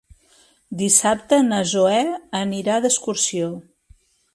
Dissabte na Zoè anirà d'excursió.